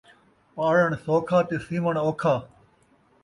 پاڑݨ سوکھا تے سیوݨ اوکھا